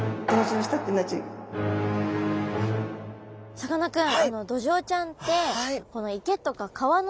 さかなクン。